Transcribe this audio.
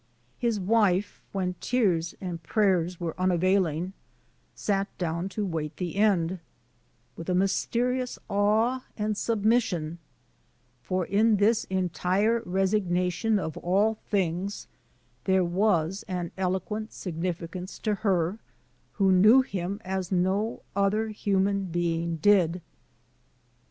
His wife, when tears and prayers were unavail ing, sat down to wait the end witii a mysterious awe and submission; for in this entire resignation of all things there was an eloquent significance to her who knew him as no other himian being did.